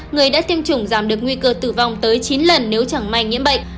người đã tiêm chủng giảm được nguy cơ tử vong tới chín lần nếu chẳng may nhiễm bệnh